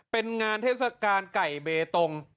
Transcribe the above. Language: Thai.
เป็นงานเทศกาลไก่เบตง